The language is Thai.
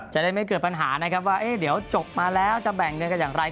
จะได้ไม่เกิดปัญหานะครับว่าเดี๋ยวจบมาแล้วจะแบ่งเงินกันอย่างไร